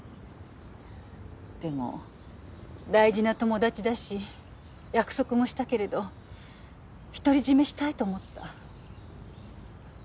でも大事な友達だし約束もしたけれど独り占めしたいと思った。